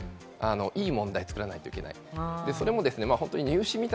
いい問題作らないといけない。